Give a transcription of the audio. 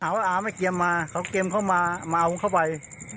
หาว่าอ้าวไม่เกี่ยวมาเขาเกี่ยวเข้ามามาเอาเข้าไป